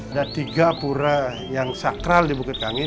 ada tiga pura yang sakral di bukit kami